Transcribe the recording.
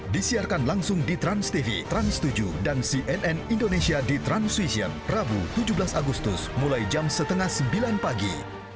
disiarkan langsung di transtv trans tujuh dan cnn indonesia di transvision rabu tujuh belas agustus mulai jam setengah sembilan pagi